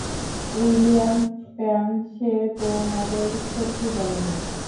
William Pan, সে তোমাদের সত্য বলে নি।